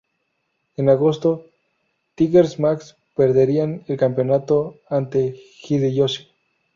En agosto, Tigers Mask perdería el campeonato ante Hideyoshi.